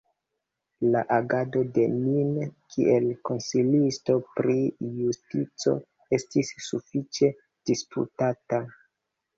La agado de Nin kiel Konsilisto pri Justico estis sufiĉe disputata.